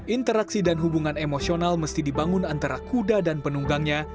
interaksi dan hubungan emosional mesti dibangun antara kuda dan penunggangnya